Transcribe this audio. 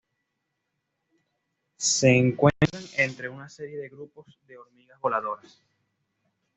Se encuentran entre una serie de grupos de hormigas voladoras.